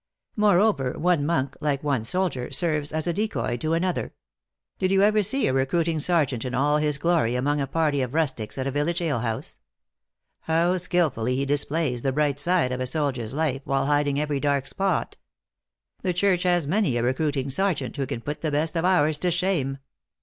Moreover, one monk, like one soldier, serves as a decoy to another. Did you ever see a recruiting sergeant, in all his glory, among a party of rustics at a village alehouse? How skillfully he displays the bright side of a soldier s life, while hiding every dark spot. The church has many a recruiting sergeant, who can put the best of ours to shame.